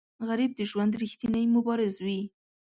غریب د ژوند ریښتینی مبارز وي